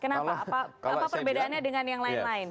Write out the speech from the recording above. kenapa apa perbedaannya dengan yang lain lain